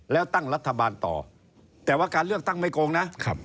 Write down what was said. แล้วตั้งรัฐบาลต่อแต่ว่าการเลือกตั้งไม่โกงนะ